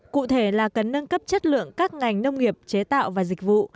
cụ thể là cần nâng cấp chất lượng các ngành nông nghiệp chế tạo và dịch vụ